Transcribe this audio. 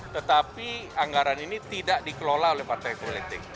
tetapi anggaran ini tidak dikelola oleh partai politik